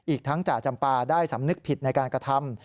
อีกทั้งจ่าจำปาได้สำนึกผิดในการกระทำ